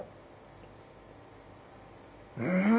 うん！